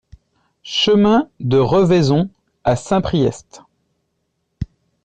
Chemin de Revaison à Saint-Priest